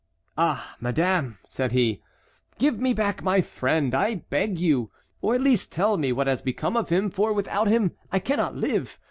"Ah, madame," said he, "give me back my friend, I beg you, or at least tell me what has become of him, for without him I cannot live.